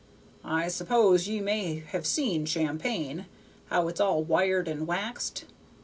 I suppose ye may have seen champagne, how it's all wired and waxed.